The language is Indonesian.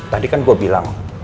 tadi kan gue bilang